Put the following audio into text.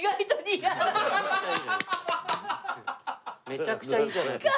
めちゃくちゃいいじゃないですか。